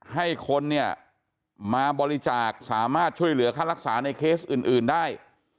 ให้คนเนี่ยมาบริจาคสามารถช่วยเหลือค่ารักษาในเคสอื่นได้